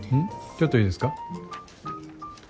ちょっといいですか？